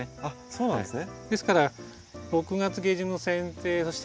そうなんですね。